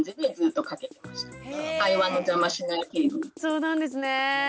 そうなんですね。